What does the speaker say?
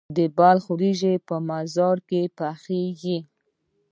د بلخ وریجې په مزار کې پخیږي.